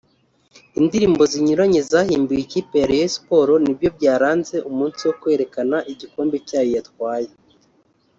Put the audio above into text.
indirimbo zinyuranye zahimbiwe ikipe ya Rayon Sports nibyo byaranze umunsi wo kwerekana igikombe cyayo yatwaye